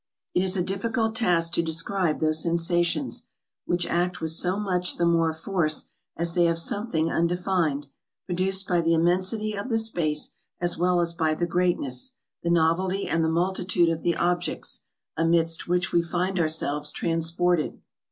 It is a difficult task to describe those sensations, which act with so much the more force as they have something undefined, produced by the immensity of the space as well as by the greatness, the novelty and the multitude of the objects, amidst which we find ourselves transported.